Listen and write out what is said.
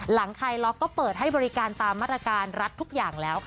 คลายล็อกก็เปิดให้บริการตามมาตรการรัฐทุกอย่างแล้วค่ะ